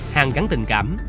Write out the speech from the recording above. hàng gắn tình cảm